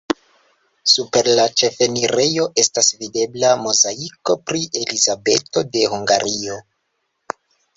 Super la ĉefenirejo estas videbla mozaiko pri Elizabeto de Hungario.